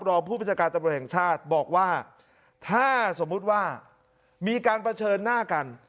รองผู้พิจารณ์ตะบดแห่งชาติบอกว่าถ้าสมมุติว่ามีการประเชิญหน้ากัน